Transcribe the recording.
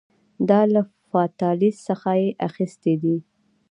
دا له فاتالیس څخه یې اخیستي دي